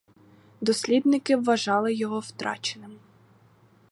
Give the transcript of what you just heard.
Дослідники вважали його втраченим.